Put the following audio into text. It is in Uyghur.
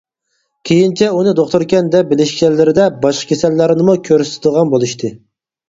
كېيىنچە ئۇنى دوختۇركەن دەپ بىلىشكەنلىرىدە باشقا كېسەللەرنىمۇ كۆرسىتىدىغان بولۇشتى.